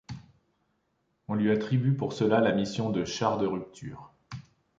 On lui attribue pour cela la mission de char de rupture.